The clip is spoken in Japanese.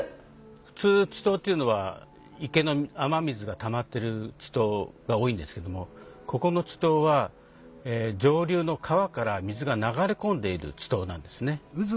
普通池溏っていうのは池の雨水がたまってる池溏が多いんですけどもここの池溏は上流の川から水が流れ込んでいる池溏なんですね。